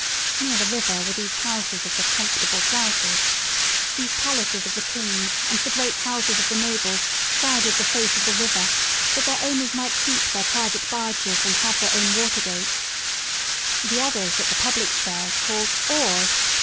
Near the river were these houses of the comfortable " classes. These palaces of the rkings and the great houses of the nobles crowded the faceof the river that their owners might keep their private barges and have their own water gates* The others at the public stairs called Oars!